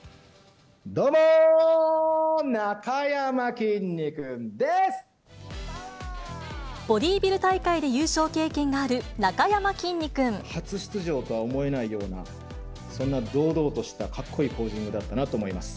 どうもー、なかやまきんに君ボディビル大会で優勝経験が初出場とは思えないような、そんな堂々とした、かっこいいポージングだったなと思います。